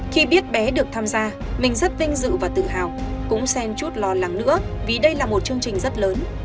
khi biết bé được tham gia mình rất vinh dự và tự hào cũng sen chút lo lắng nữa vì đây là một chương trình rất lớn